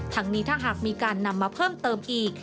ทั้งนี้ถ้าหากมีการนำมาเพิ่มเติมอีก